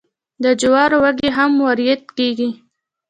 د جوارو وږي هم وریت کیږي.